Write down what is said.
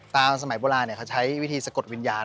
สมัยโบราณเขาใช้วิธีสะกดวิญญาณ